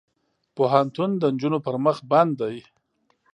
پوهنتون د نجونو پر مخ بند دی.